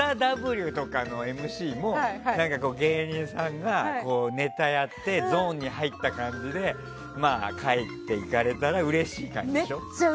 「ＴＨＥＷ」とかのＭＣも芸人さんがネタやってゾーンに入った感じで帰っていかれたらうれしい感じでしょ。